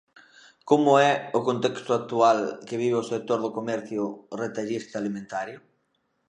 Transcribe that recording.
Como é o contexto actual que vive o sector do comercio retallista alimentario?